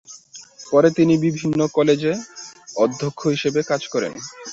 পরে তিনি বিভিন্ন কলেজে অধ্যক্ষ হিসেবে কাজ করেন।